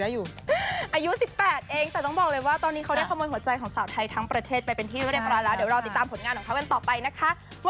อายุ๑๘เองแต่ต้องบอกเลยว่าตอนนี้เขาได้ขโมยหัวใจของสาวไทยทั้งประเทศไปเป็นที่เรียบร้อยแล้วเดี๋ยวรอติดตามผลงานของเขากันต่อไปนะคะ